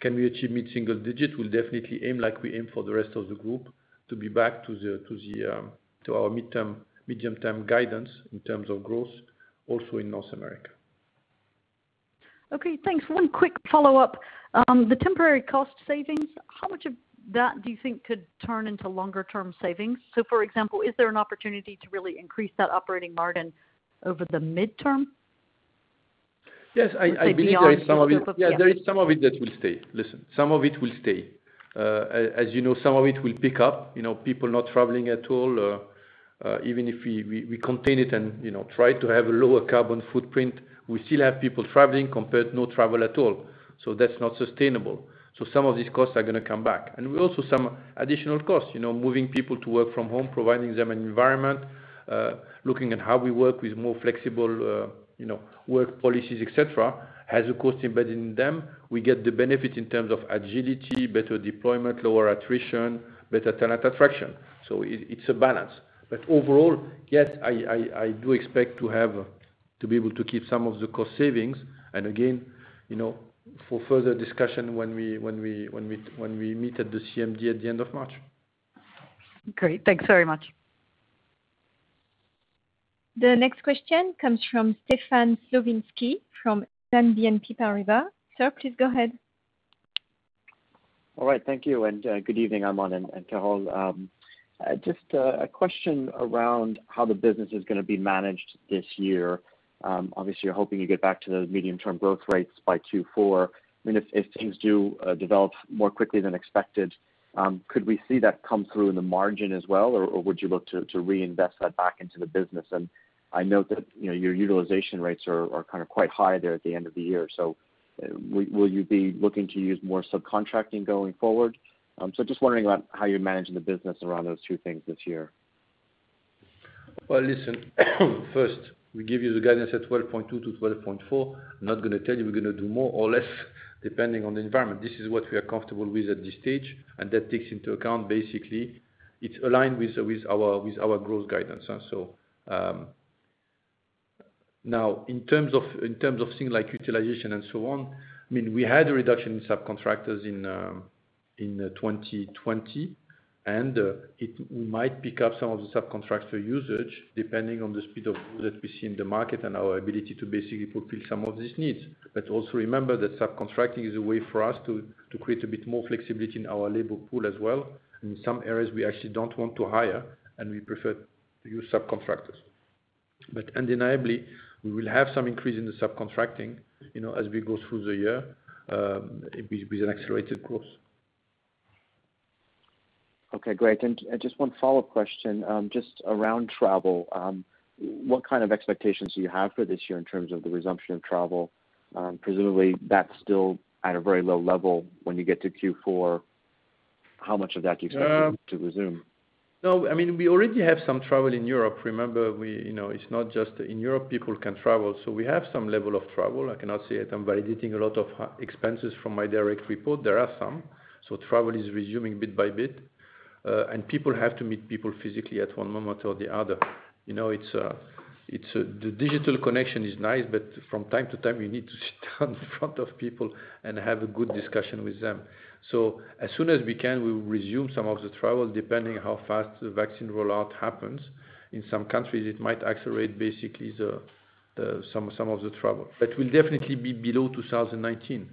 Can we achieve mid-single digit? We'll definitely aim like we aim for the rest of the group to be back to our medium-term guidance in terms of growth also in North America. Okay, thanks. One quick follow-up. The temporary cost savings, how much of that do you think could turn into longer-term savings? For example, is there an opportunity to really increase that operating margin over the midterm? Yes, I believe there is some of it. Maybe beyond this year? There is some of it that will stay. Listen, some of it will stay. As you know, some of it will pick up. People not traveling at all, even if we contain it and try to have a lower carbon footprint, we still have people traveling compared no travel at all. That's not sustainable. Some of these costs are going to come back. Also some additional costs, moving people to work from home, providing them an environment, looking at how we work with more flexible work policies, et cetera, has a cost embedded in them. We get the benefit in terms of agility, better deployment, lower attrition, better talent attraction. It's a balance. Overall, yes, I do expect to be able to keep some of the cost savings and again, for further discussion when we meet at the CMD at the end of March. Great. Thanks very much. The next question comes from Stefan Slowinski from BNP Paribas. Sir, please go ahead. All right. Thank you, and good evening, Aiman and Carole. Just a question around how the business is going to be managed this year. Obviously, you're hoping to get back to those medium-term growth rates by Q4. If things do develop more quickly than expected, could we see that come through in the margin as well, or would you look to reinvest that back into the business? I note that your utilization rates are quite high there at the end of the year. Will you be looking to use more subcontracting going forward? Just wondering about how you're managing the business around those two things this year. Well, listen. First, we give you the guidance at 12.2 to 12.4. I'm not going to tell you we're going to do more or less, depending on the environment. This is what we are comfortable with at this stage, and that takes into account, basically, it's aligned with our growth guidance. Now, in terms of things like utilization and so on, we had a reduction in subcontractors in 2020, and we might pick up some of the subcontractor usage depending on the speed of growth that we see in the market and our ability to basically fulfill some of these needs. Also remember that subcontracting is a way for us to create a bit more flexibility in our labor pool as well. In some areas, we actually don't want to hire, and we prefer to use subcontractors. Undeniably, we will have some increase in the subcontracting, as we go through the year with an accelerated growth. Just one follow-up question, just around travel. What kind of expectations do you have for this year in terms of the resumption of travel? Presumably, that's still at a very low level when you get to Q4. How much of that do you expect to resume? No, we already have some travel in Europe. Remember, it's not just in Europe people can travel. We have some level of travel. I cannot say it. I'm validating a lot of expenses from my direct report. There are some. Travel is resuming bit by bit. People have to meet people physically at one moment or the other. The digital connection is nice, but from time to time, you need to sit down in front of people and have a good discussion with them. As soon as we can, we will resume some of the travel, depending how fast the vaccine rollout happens. In some countries, it might accelerate basically some of the travel, but we'll definitely be below 2019.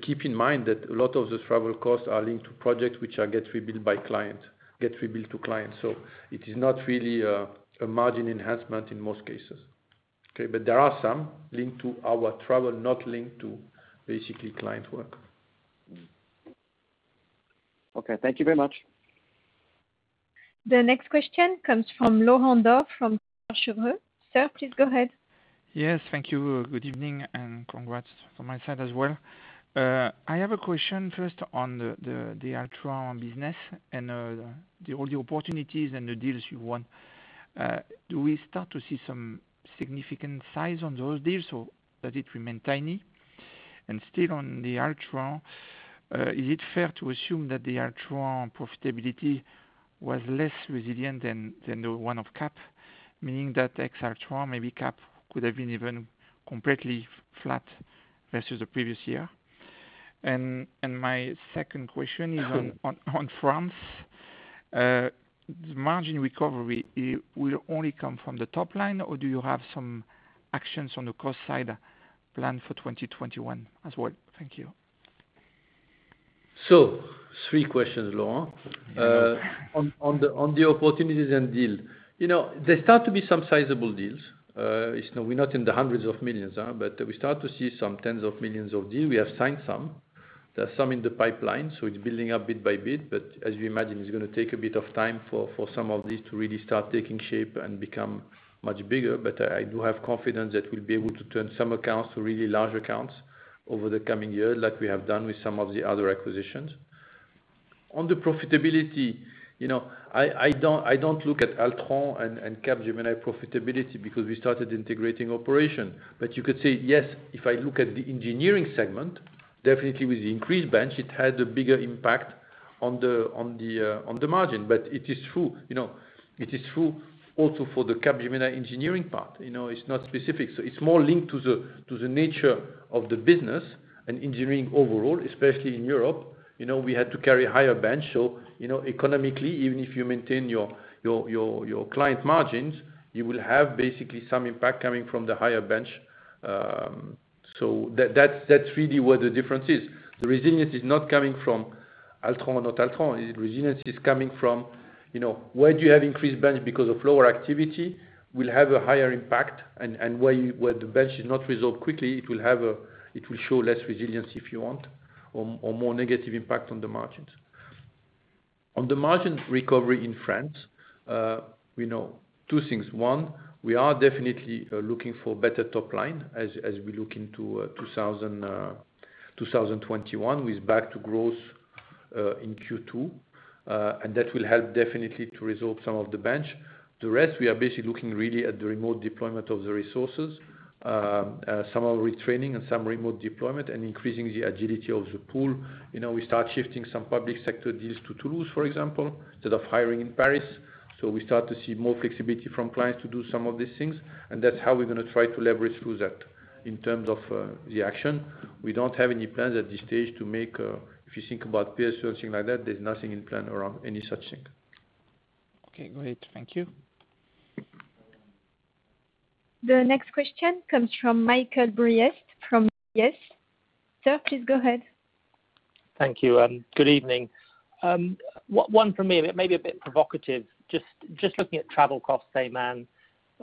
Keep in mind that a lot of the travel costs are linked to projects which get rebilled to clients. It is not really a margin enhancement in most cases. Okay. There are some linked to our travel, not linked to basically client work. Okay. Thank you very much. The next question comes from Laurent Daure from Cheuvreux. Sir, please go ahead. Yes, thank you. Good evening, and congrats from my side as well. I have a question first on the Altran business and all the opportunities and the deals you won. Do we start to see some significant size on those deals, or does it remain tiny? Still on the Altran, is it fair to assume that the Altran profitability was less resilient than the one of Capgemini, meaning that ex-Altran maybe Capgemini could have been even completely flat versus the previous year? My second question is on France. The margin recovery will only come from the top line, or do you have some actions on the cost side planned for 2021 as well? Thank you. Three questions, Laurent. Yes. On the opportunities and deal. There start to be some sizable deals. We're not in the hundreds of millions, we start to see some tens of millions of deal. We have signed some. There are some in the pipeline. It's building up bit by bit. As you imagine, it's going to take a bit of time for some of these to really start taking shape and become much bigger. I do have confidence that we'll be able to turn some accounts to really large accounts over the coming year like we have done with some of the other acquisitions. On the profitability, I don't look at Altran and Capgemini profitability because we started integrating operation. You could say, yes, if I look at the engineering segment, definitely with the increased bench, it had a bigger impact on the margin. It is true also for the Capgemini engineering part. It's not specific. It's more linked to the nature of the business and engineering overall, especially in Europe. We had to carry a higher bench. Economically, even if you maintain your client margins, you will have basically some impact coming from the higher bench. That's really where the difference is. The resilience is not coming from Altran or not Altran. Resilience is coming from where do you have increased bench because of lower activity will have a higher impact, and where the bench is not resolved quickly, it will show less resilience if you want, or more negative impact on the margins. On the margin recovery in France, we know two things. One, we are definitely looking for better top line as we look into 2021 with back to growth in Q2. That will help definitely to resolve some of the bench. The rest, we are basically looking really at the remote deployment of the resources. Some are retraining and some remote deployment and increasing the agility of the pool. We start shifting some public sector deals to Toulouse, for example, instead of hiring in Paris. We start to see more flexibility from clients to do some of these things, and that's how we're going to try to leverage through that in terms of the action. We don't have any plans at this stage to make, if you think about PSE or anything like that, there's nothing in plan around any such thing. Okay, great. Thank you. The next question comes from Michael Briest from UBS. Sir, please go ahead. Thank you. Good evening. One from me, it may be a bit provocative. Just looking at travel costs, STEPHANE.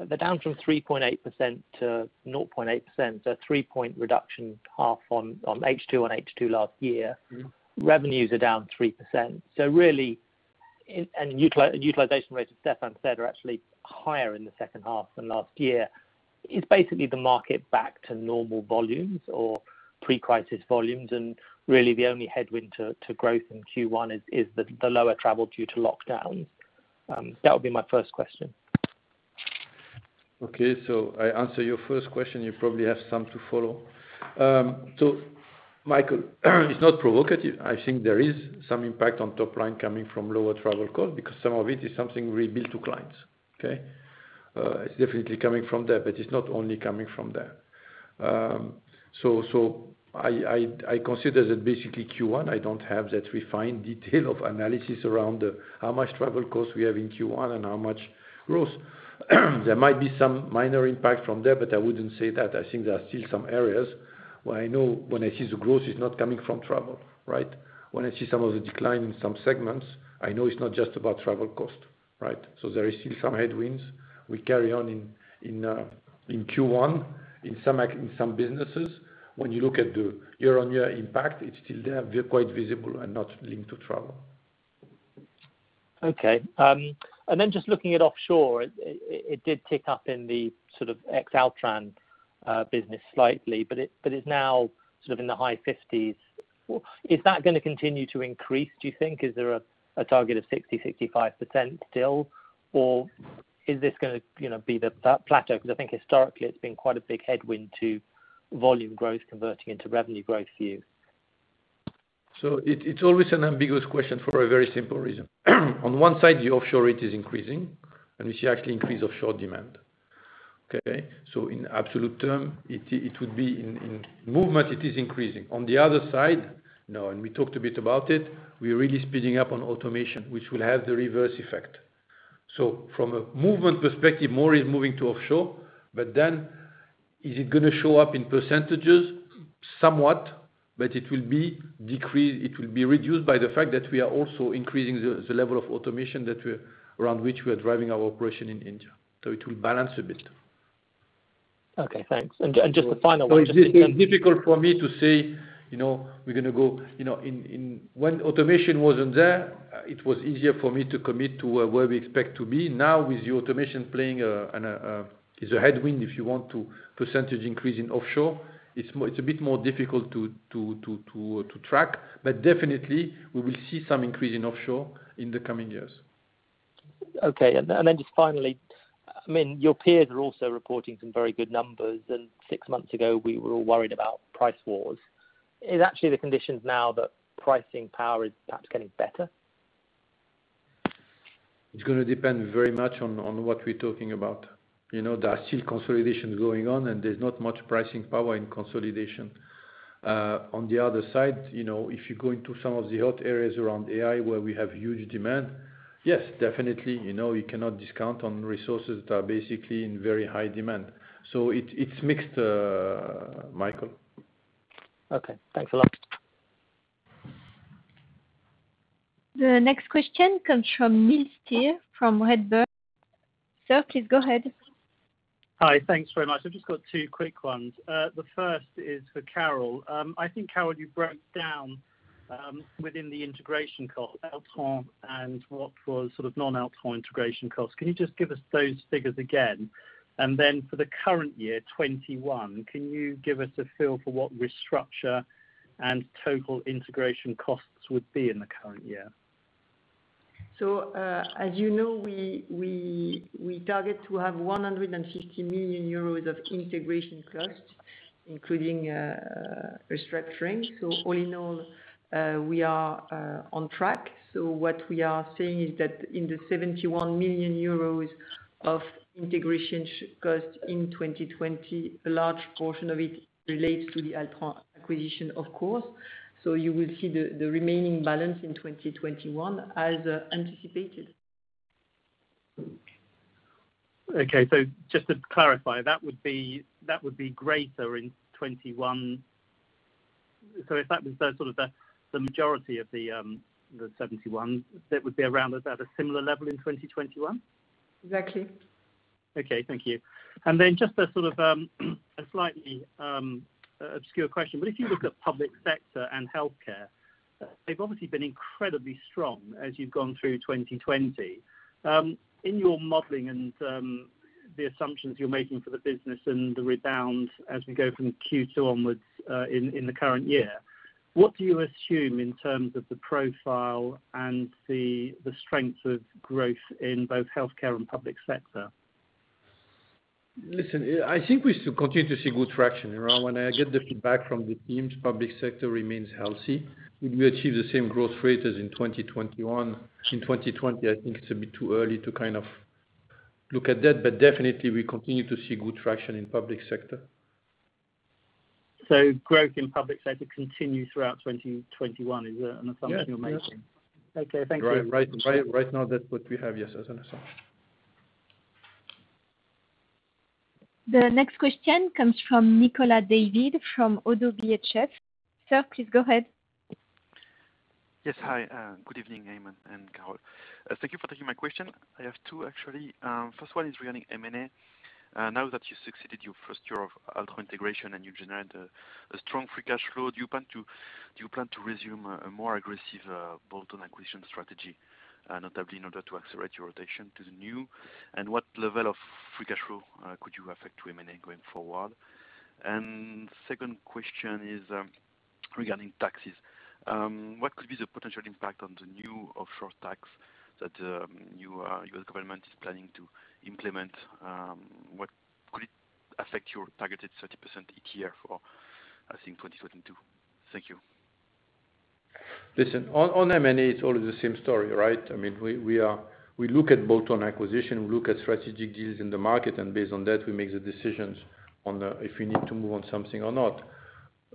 They're down from 3.8% to 0.8%, so a three-point reduction half on H2 and H2 last year. Revenues are down 3%. Utilization rates, as Stefan said, are actually higher in the second half than last year. Is basically the market back to normal volumes or pre-crisis volumes, and really the only headwind to growth in Q1 is the lower travel due to lockdowns? That would be my first question. Okay. I answer your first question. You probably have some to follow. Michael, it's not provocative. I think there is some impact on top line coming from lower travel cost because some of it is something we bill to clients. Okay. It's definitely coming from there, but it's not only coming from there. I consider that basically Q1, I don't have that refined detail of analysis around how much travel cost we have in Q1 and how much growth. There might be some minor impact from there, but I wouldn't say that. I think there are still some areas where I know when I see the growth is not coming from travel, right. When I see some of the decline in some segments, I know it's not just about travel cost. Right. There is still some headwinds. We carry on in Q1. In some businesses, when you look at the year-on-year impact, it's still there, quite visible and not linked to travel. Okay. Just looking at offshore, it did tick up in the sort of ex Altran business slightly, but it's now sort of in the high 50s. Is that going to continue to increase, do you think? Is there a target of 60, 65% still, or is this going to be the plateau? Because I think historically, it's been quite a big headwind to volume growth converting into revenue growth for you. It's always an ambiguous question for a very simple reason. On one side, your offshore rate is increasing, and we see actually increase offshore demand. Okay. In absolute term, it would be in movement, it is increasing. On the other side, now, and we talked a bit about it, we're really speeding up on automation, which will have the reverse effect. From a movement perspective, more is moving to offshore, but then is it going to show up in percentages? Somewhat, but it will be reduced by the fact that we are also increasing the level of automation around which we are driving our operation in India. It will balance a bit. Okay, thanks. It is difficult for me to say we're going to go When automation wasn't there, it was easier for me to commit to where we expect to be. Now with the automation playing as a headwind, if you want to percentage increase in offshore, it's a bit more difficult to track. Definitely we will see some increase in offshore in the coming years. Okay. Just finally, your peers are also reporting some very good numbers, and six months ago, we were all worried about price wars. Is actually the conditions now that pricing power is perhaps getting better? It's going to depend very much on what we're talking about. There are still consolidations going on. There's not much pricing power in consolidation. On the other side, if you go into some of the hot areas around AI where we have huge demand, yes, definitely, you cannot discount on resources that are basically in very high demand. It's mixed, Michael. Okay. Thanks a lot. The next question comes from Neil Steer from Redburn. Sir, please go ahead. Hi. Thanks very much. I've just got two quick ones. The first is for Carole. I think, Carole, you broke down within the integration cost, Altran and what was non-Altran integration costs. Can you just give us those figures again? Then for the current year, 2021, can you give us a feel for what restructure and total integration costs would be in the current year? As you know, we target to have 150 million euros of integration costs, including restructuring. All in all, we are on track. What we are saying is that in the 71 million euros of integration cost in 2020, a large portion of it relates to the Altran acquisition, of course. You will see the remaining balance in 2021 as anticipated. Okay. Just to clarify, that would be greater in 2021. If that was the majority of the 71, that would be around at a similar level in 2021? Exactly. Okay. Thank you. Just a slightly obscure question. If you look at public sector and healthcare, they've obviously been incredibly strong as you've gone through 2020. In your modeling and the assumptions you're making for the business and the rebound as we go from Q2 onwards in the current year, what do you assume in terms of the profile and the strength of growth in both healthcare and public sector? Listen, I think we should continue to see good traction around. When I get the feedback from the teams, public sector remains healthy. Would we achieve the same growth rate as in 2021? In 2020, I think it's a bit too early to look at that, but definitely we continue to see good traction in public sector. Growth in public sector continues throughout 2021, is that an assumption you're making? Yes. Okay, thank you. Right now, that's what we have, yes, as an assumption. The next question comes from Nicolas David from Oddo BHF. Sir, please go ahead. Yes. Hi. Good evening, Aiman and Carole. Thank you for taking my question. I have two, actually. First one is regarding M&A. Now that you succeeded your first year of Altran integration and you generated a strong free cash flow, do you plan to resume a more aggressive bolt-on acquisition strategy, notably in order to accelerate your rotation to the new? What level of free cash flow could you affect to M&A going forward? Second question is regarding taxes. What could be the potential impact on the new offshore tax that U.S. government is planning to implement? Could it affect your targeted 30% ETR for, I think, 2022? Thank you. Listen, on M&A, it's always the same story, right? We look at bolt-on acquisition, we look at strategic deals in the market, and based on that, we make the decisions on if we need to move on something or not.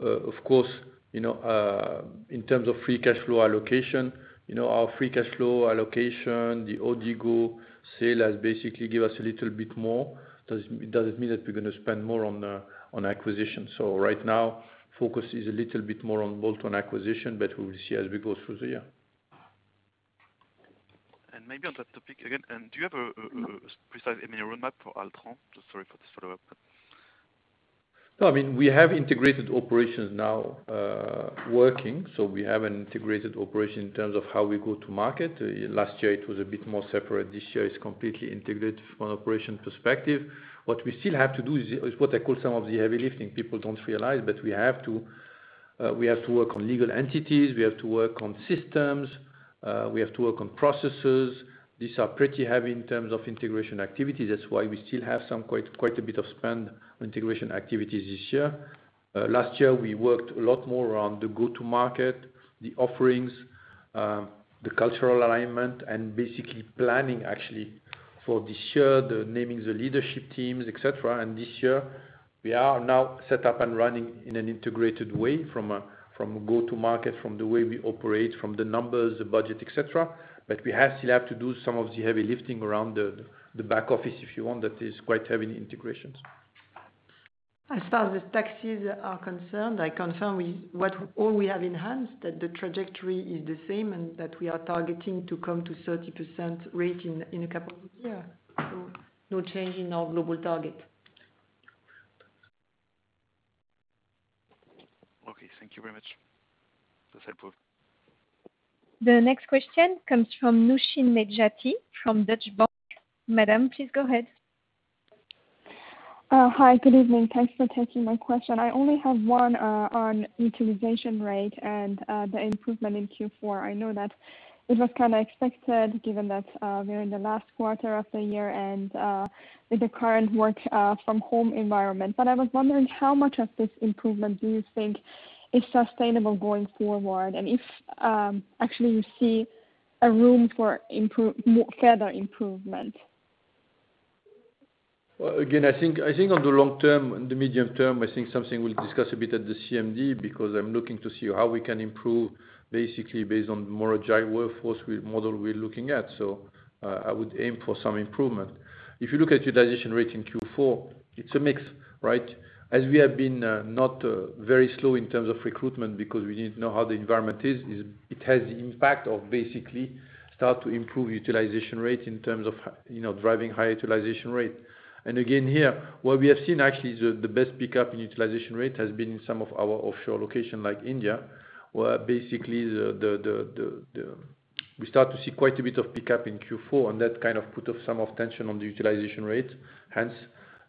Of course, in terms of free cash flow allocation, our free cash flow allocation, the Odigo sale has basically give us a little bit more. Doesn't mean that we're going to spend more on acquisition. Right now, focus is a little bit more on bolt-on acquisition, but we will see as we go through the year. Maybe on that topic again, and do you have a precise M&A roadmap for Altran? Just sorry for this follow-up. No, we have integrated operations now working. We have an integrated operation in terms of how we go to market. Last year, it was a bit more separate. This year, it's completely integrated from an operation perspective. What we still have to do is what I call some of the heavy lifting. People don't realize, we have to work on legal entities. We have to work on systems. We have to work on processes. These are pretty heavy in terms of integration activity. That's why we still have quite a bit of spend on integration activities this year. Last year, we worked a lot more around the go-to market, the offerings, the cultural alignment, and basically planning actually for this year, the naming the leadership teams, et cetera. This year, we are now set up and running in an integrated way from a go-to market, from the way we operate, from the numbers, the budget, et cetera. We still have to do some of the heavy lifting around the back office, if you want, that is quite heavy in integrations. As far as taxes are concerned, I confirm with what all we have enhanced, that the trajectory is the same and that we are targeting to come to 30% rate in a couple of years. No change in our global target. Okay. Thank you very much. That is helpful. The next question comes from Nooshin Nejati from Deutsche Bank. Madam, please go ahead. Hi, good evening. Thanks for taking my question. I only have one on utilization rate and the improvement in Q4. I know that it was kind of expected given that we're in the last quarter of the year and with the current work-from-home environment. I was wondering how much of this improvement do you think is sustainable going forward, and if actually you see a room for further improvement? Well, again, I think on the long term and the medium term, I think something we'll discuss a bit at the CMD because I'm looking to see how we can improve basically based on more Agile workforce model we're looking at. I would aim for some improvement. If you look at utilization rate in Q4, it's a mix, right? As we have been not very slow in terms of recruitment because we didn't know how the environment is, it has the impact of basically start to improve utilization rate in terms of driving high utilization rate. Again, here, what we have seen actually is the best pickup in utilization rate has been in some of our offshore location like India, where basically we start to see quite a bit of pickup in Q4, and that kind of put some of tension on the utilization rate, hence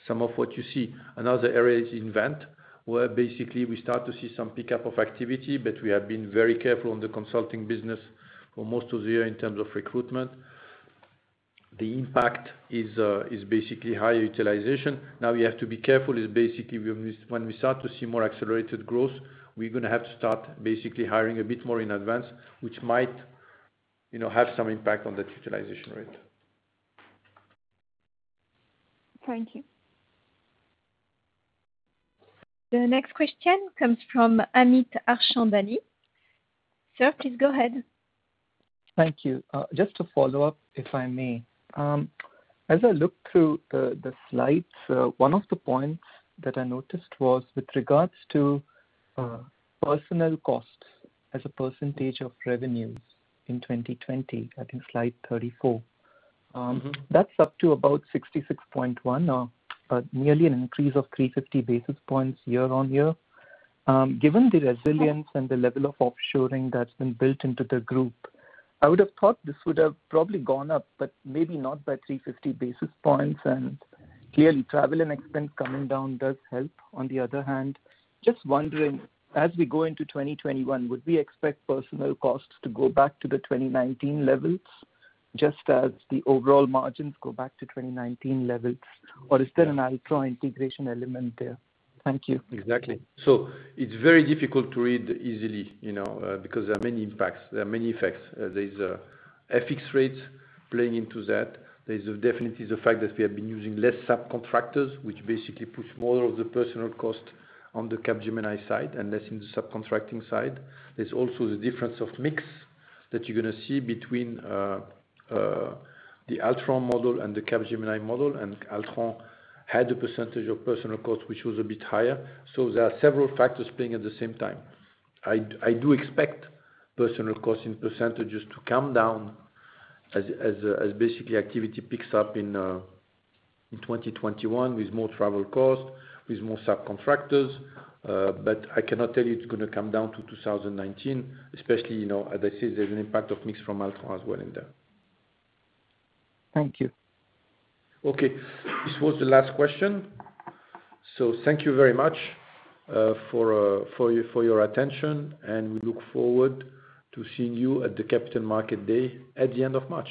some of what you see. Another area is Invent, where basically we start to see some pickup of activity, we have been very careful on the consulting business for most of the year in terms of recruitment. The impact is basically higher utilization. We have to be careful is basically when we start to see more accelerated growth, we're going to have to start basically hiring a bit more in advance, which might have some impact on that utilization rate. Thank you. The next question comes from Amit Harchandani. Sir, please go ahead. Thank you. Just to follow up, if I may. As I look through the slides, one of the points that I noticed was with regards to personal costs as a percentage of revenues in 2020, I think slide 34. That's up to about 66.1 or nearly an increase of 350 basis points year on year. Given the resilience and the level of offshoring that's been built into the group, I would have thought this would have probably gone up, but maybe not by 350 basis points. Clearly travel and expense coming down does help. On the other hand, just wondering, as we go into 2021, would we expect personal costs to go back to the 2019 levels, just as the overall margins go back to 2019 levels? Or is there an Altran integration element there? Thank you. Exactly. It's very difficult to read easily, because there are many impacts. There are many effects. There's FX rates playing into that. There's definitely the fact that we have been using less subcontractors, which basically puts more of the personal cost on the Capgemini side and less in the subcontracting side. There's also the difference of mix that you're going to see between the Altran model and the Capgemini model, and Altran had a percentage of personal cost, which was a bit higher. There are several factors playing at the same time. I do expect personal cost in percentages to come down as basically activity picks up in 2021 with more travel cost, with more subcontractors. I cannot tell you it's going to come down to 2019, especially, as I said, there's an impact of mix from Altran as well in there. Thank you. Okay. This was the last question. Thank you very much for your attention, and we look forward to seeing you at the Capital Market Day at the end of March.